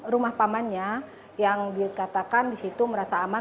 rumah pamannya yang dikatakan di situ merasa aman